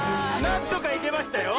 なんとかいけましたよ。